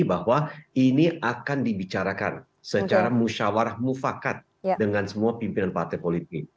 bahwa ini akan dibicarakan secara musyawarah mufakat dengan semua pimpinan partai politik